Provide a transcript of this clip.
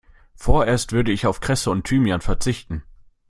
Vorerst würde ich auf Kresse und Thymian verzichten.